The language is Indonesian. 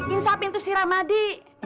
insapin tuh si ramadi